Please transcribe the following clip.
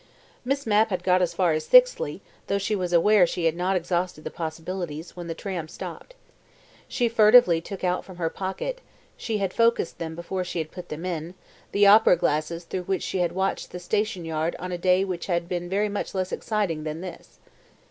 Miss Mapp had got as far as sixthly, though she was aware she had not exhausted the possibilities, when the tram stopped. She furtively took out from her pocket (she had focused them before she put them in) the opera glasses through which she had watched the station yard on a day which had been very much less exciting than this.